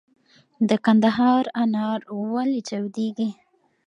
د کندهار انار ولې چاودیږي؟